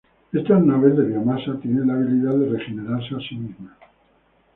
Estas naves de biomasa tienen la habilidad de regenerarse a sí mismas.